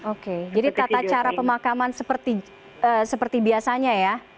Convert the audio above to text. oke jadi tata cara pemakaman seperti biasanya ya